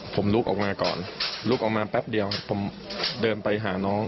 ผมลุกออกมาก่อนลุกออกมาแป๊บเดียวผมเดินไปหาน้อง